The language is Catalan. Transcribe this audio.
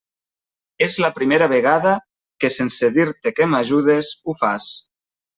És la primera vegada que, sense dir-te que m'ajudes, ho fas.